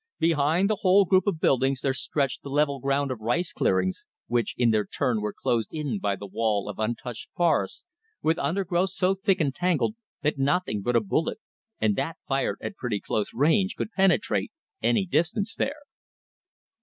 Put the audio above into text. Behind the whole group of buildings there stretched the level ground of rice clearings, which in their turn were closed in by the wall of untouched forests with undergrowth so thick and tangled that nothing but a bullet and that fired at pretty close range could penetrate any distance there.